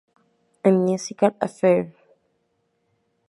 A Musical Affair.